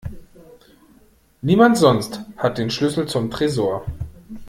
Niemand sonst hat den Schlüssel zum Tresor.